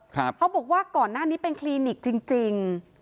เขาบอกว่าก่อนหน้านี้เป็นคลินิกจริงจริง